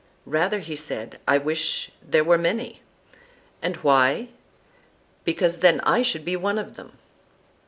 "Rather," said he, "I wish there were many." "And why?" "Because then I should be one of them."